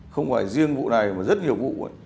không phải riêng vụ này mà rất nhiều vụ